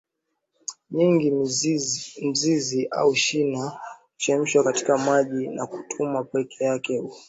nyingi Mzizi au shina huchemshwa katika maji na kutumiwa peke yake au huongezwa kwa